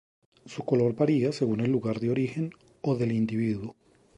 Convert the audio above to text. Su color varia según el lugar de origen o del individuo.